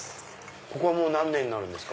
ここは何年になるんですか？